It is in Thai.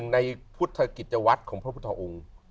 ในพุทธกิจวัตรของพระพุทธองค์